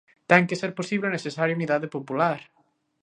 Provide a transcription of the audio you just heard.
Ten que ser posible a necesaria unidade popular.